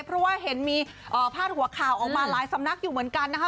เพราะว่าเห็นมีพาดหัวข่าวออกมาหลายสำนักอยู่เหมือนกันนะคะ